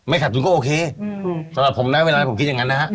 ขัดทุนก็โอเคสำหรับผมนะเวลาผมคิดอย่างนั้นนะฮะ